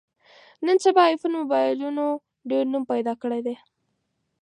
نن سبا ایفون مبایلونو ډېر نوم پیدا کړی دی.